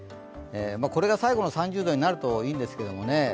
これが最後の３０度になるといいんですけどね。